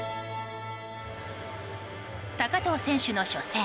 高藤選手の初戦。